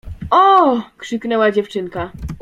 — Oo! — krzyknęła dziewczynka.